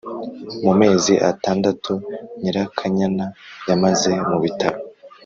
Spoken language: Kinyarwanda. Mu mezi atandatu Nyirakanyana yamaze mu bitaro